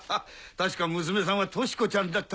確か娘さんはトシコちゃんだったな。